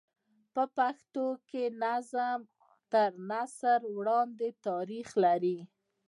په پښتو کښي نظم تر نثر وړاندي تاریخ لري.